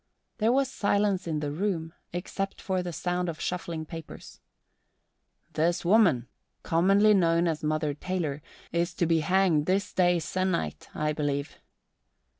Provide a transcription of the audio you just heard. There was silence in the room except for the sound of shuffling papers. "This woman, commonly known as Mother Taylor, is to be hanged this day sennight, I believe."